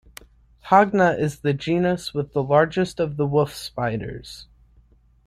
"Hogna" is the genus with the largest of the wolf spiders.